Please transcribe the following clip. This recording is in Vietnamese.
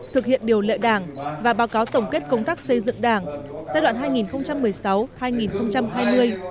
thực hiện điều lệ đảng và báo cáo tổng kết công tác xây dựng đảng giai đoạn hai nghìn một mươi sáu hai nghìn hai mươi